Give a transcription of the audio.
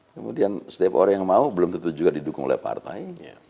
kemudian setiap orang yang mau belum tentu juga didukung oleh partai